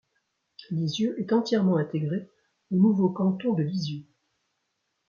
Lisieux est entièrement intégré au nouveau canton de Lisieux.